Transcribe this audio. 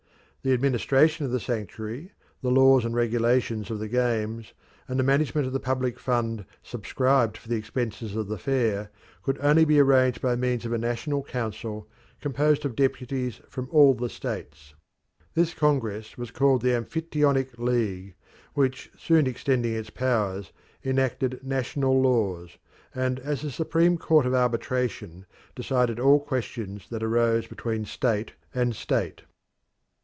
The administration of the sanctuary, the laws and regulations of the games, and the management of the public fund subscribed for the expenses of the fair, could only be arranged by means of a national council composed of deputies from all the states. This congress was called the Amphictyonic League, which, soon extending its powers, enacted national laws, and as a supreme court of arbitration decided all questions that arose between state and state.